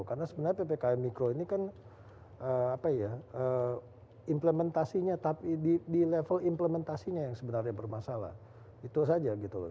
karena sebenarnya ppkm mikro ini kan implementasinya tapi di level implementasinya yang sebenarnya bermasalah itu saja gitu loh